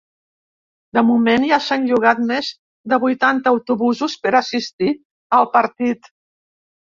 De moment, ja s’han llogat més de vuitanta autobusos per assistir al partit.